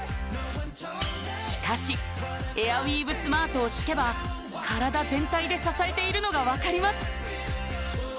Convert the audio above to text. しかしエアウィーヴスマートを敷けば体全体で支えているのが分かります